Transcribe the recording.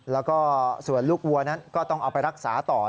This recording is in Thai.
แล้วก็ส่วนลูกวัวนั้นก็ต้องเอาไปรักษาต่อ